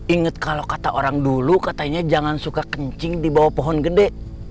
ingat kalau kata orang dulu katanya jangan suka kencing di bawah pohon gede